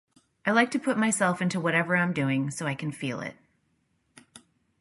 I like to put myself into whatever I'm doin' so I can feel it.